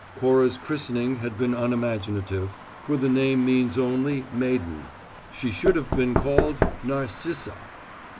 Cora's christening had been unimaginative, for the name means only, "maiden." She should have been called Narcissa.